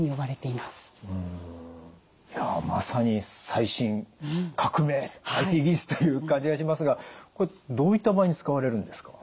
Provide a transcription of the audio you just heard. いやまさに最新革命ＩＴ技術という感じがしますがこれどういった場合に使われるんですか？